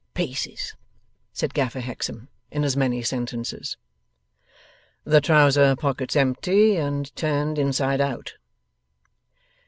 Pieces,' said Gaffer Hexam, in as many sentences. 'The trousers pockets empty, and turned inside out.